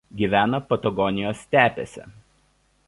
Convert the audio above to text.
Gyvena Patagonijos stepėse.